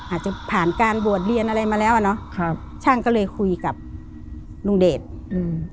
อาจจะผ่านการบวชเรียนอะไรมาแล้วอ่ะเนอะครับช่างก็เลยคุยกับลุงเดชอืม